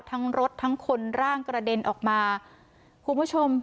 ทั้งรถทั้งคนร่างกระเด็นออกมาคุณผู้ชม